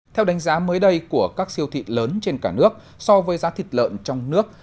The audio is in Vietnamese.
theo đánh giá mới đây của các siêu thị lớn trên cả nước so với giá thịt lợn trong nước